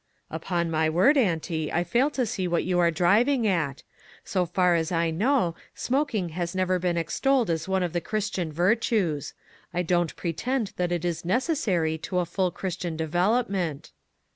""Upon my word, auntie, I fail to see what you are driving at. So far as I know, smoking has never been extolled as one of the Christian virtues. I don't pretend that it is necessary to a full Christian develop ment."